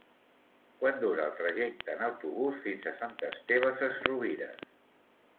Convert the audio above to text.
Quant dura el trajecte en autobús fins a Sant Esteve Sesrovires?